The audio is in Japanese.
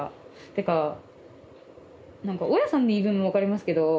てか何か大家さんの言い分も分かりますけど。